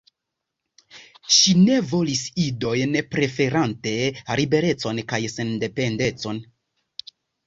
Ŝi ne volis idojn, preferante liberecon kaj sendependecon.